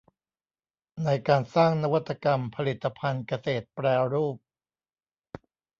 ในการสร้างนวัตกรรมผลิตภัณฑ์เกษตรแปรรูป